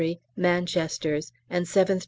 Manchesters, and 7th D.